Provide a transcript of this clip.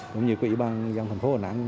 cũng như của ủy ban dân thành phố hồ nẵng